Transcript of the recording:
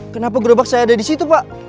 kenapa gerobak saya ada di situ pak